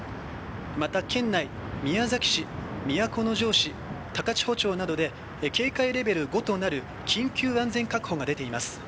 また、県内宮崎市、都城市高千穂町などで警戒レベル５となる緊急安全確保が出ています。